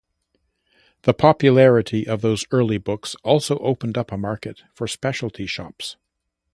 The popularity of those early books also opened up a market for specialty shops.